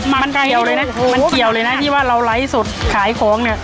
มันเกี่ยวเลยนะมันเกี่ยวเลยนะที่ว่าเราไลฟ์สดขายของเนี่ย